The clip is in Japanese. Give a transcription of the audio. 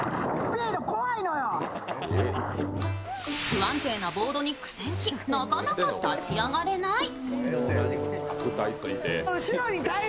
不安定なボードに苦戦しなかなか立ち上がれない。